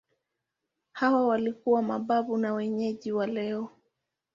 Hawa walikuwa mababu wa wenyeji wa leo.